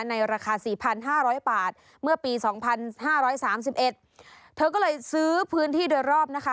ในราคา๔๕๐๐บาทเมื่อปี๒๕๓๑เธอก็เลยซื้อพื้นที่โดยรอบนะคะ